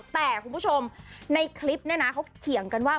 แต่คุณผู้ชมในคลิปเนี่ยนะเขาเขียนกันว่า